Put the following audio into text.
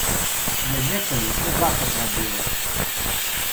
Я некалі ўсё запар рабіла.